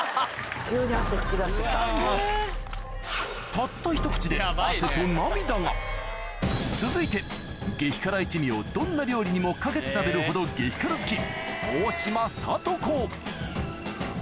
たった続いて激辛一味をどんな料理にもかけて食べるほど激辛好き